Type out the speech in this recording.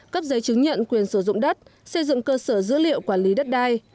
cấp giấy chứng nhận quyền sử dụng đất xây dựng cơ sở dữ liệu quản lý đất đai